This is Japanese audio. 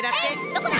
どこだ！？